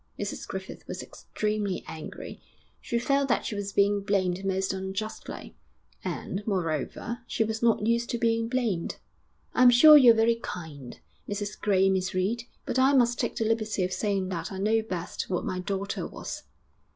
Mrs Griffith was extremely angry; she felt that she was being blamed most unjustly, and, moreover, she was not used to being blamed. 'I'm sure you're very kind, Mrs Gray and Miss Reed, but I must take the liberty of saying that I know best what my daughter was.'